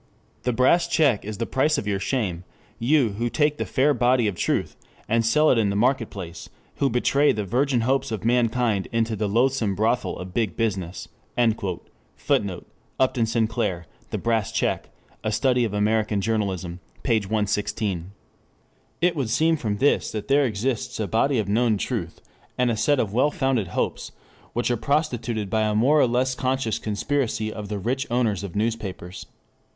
The Brass check is the price of your shame you who take the fair body of truth and sell it in the market place, who betray the virgin hopes of mankind into the loathsome brothel of Big Business." [Footnote: Upton Sinclair, The Brass Check. A Study of American Journalism. p. 116.] It would seem from this that there exists a body of known truth, and a set of well founded hopes, which are prostituted by a more or less conscious conspiracy of the rich owners of newspapers.